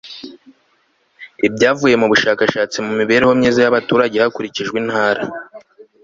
ibyavuye mu bushakashatsi ku mibereho myiza y'abaturage hakurikijwe intara